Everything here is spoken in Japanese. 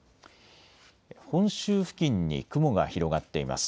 本州付近に雲が広がっています。